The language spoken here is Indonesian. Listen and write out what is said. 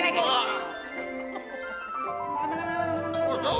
nah apa itu mau kau